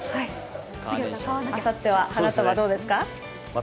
あさっては花束、どうですか？